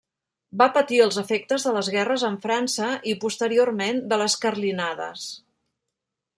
Va patir els efectes de les guerres amb França i, posteriorment, de les carlinades.